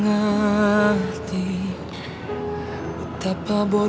saya ga mau ingat aja above